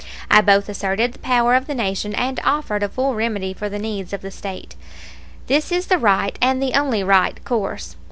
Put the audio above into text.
I both asserted the power of the Nation and offered a full remedy for the needs of the State. This is the right, and the only right, course.